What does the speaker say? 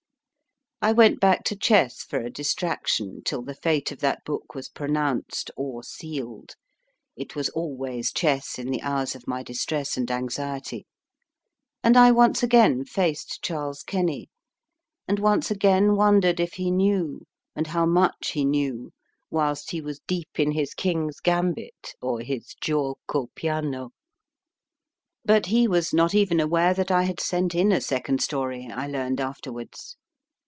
I went back to chess for a distraction till the fate of that book was pronounced or sealed it was always chess in the hours of my distress and anxiety and I once again faced Charles Kenny, and once again wondered if he knew, and how much he knew, whilst he was deep in his king s gambit or his giuoco piano ; but he was not even aware that 1 had MR. ROBINSON AT WORK sent in a second story, I learned afterwards.